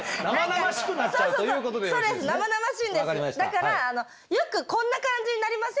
だからよくこんな感じになりません？